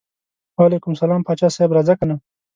وعلیکم السلام پاچا صاحب راځه کنه.